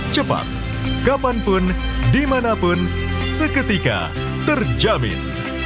cepat kapanpun dimanapun seketika terjamin